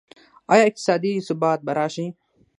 آیا اقتصادي ثبات به راشي؟